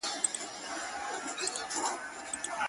له کابله تر بنګاله یې وطن وو!